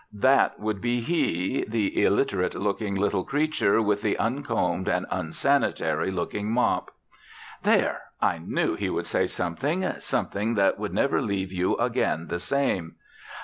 That would be he, the illiterate looking little creature with the uncombed and unsanitary looking mop. There! I knew he would say something, something that would never leave you again the same.